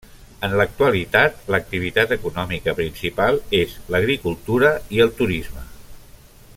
En l'actualitat, l'activitat econòmica principal és l'agricultura i el turisme.